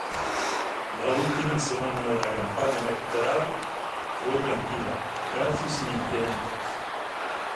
La última semana de la campaña electoral fue tranquila, casi sin incidentes.